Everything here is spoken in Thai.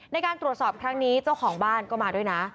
ในการตรวจสอบครั้งนี้เจ้าของบ้านก็มาด้วยนะ